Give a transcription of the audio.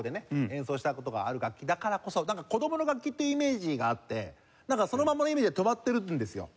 演奏した事がある楽器だからこそ子どもの楽器っていうイメージがあってそのまんまのイメージで止まってるんですよ。